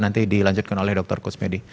nanti dilanjutkan oleh dr kusmedi